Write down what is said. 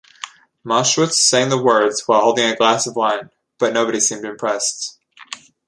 Maschwitz sang the words while holding a glass of wine, but nobody seemed impressed.